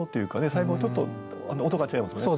最後ちょっと音が違いますよね。